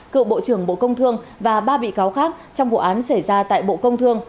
cựu bộ trưởng bộ công thương và ba bị cáo khác trong vụ án xảy ra tại bộ công thương